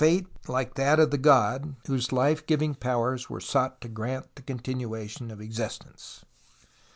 52 TUTANKHAMEN like that of the god, whose life giving powers were sought to grant the continuation of existence.